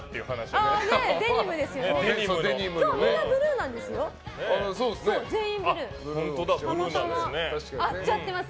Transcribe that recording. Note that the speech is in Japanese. みんなブルーなんですよ。